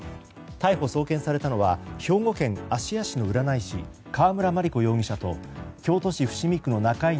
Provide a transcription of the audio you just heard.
逮捕・送検されたのは兵庫県芦屋市の占い師川村麻理子容疑者と京都市北区の仲居業